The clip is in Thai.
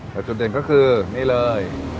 แต่จุดเด่นก็คือนี่เลย